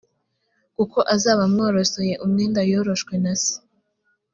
kuko azaba amworosoyeho umwenda yoroshwe na se